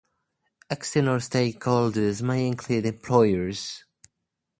External stakeholders may include employers.